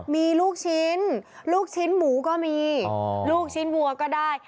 มีลูกชิ้นลูกชิ้นหมูก็มีลูกชิ้นวัวก็ได้